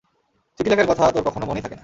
চিঠি লেখার কথা তোর কখনো মনেই থাকে না।